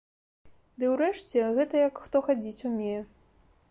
Ды ўрэшце, гэта як хто хадзіць умее.